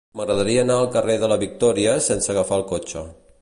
M'agradaria anar al carrer de la Victòria sense agafar el cotxe.